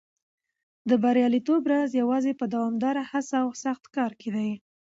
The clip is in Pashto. د بریالیتوب راز یوازې په دوامداره هڅه او سخت کار کې دی.